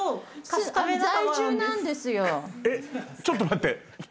ちょっと待って。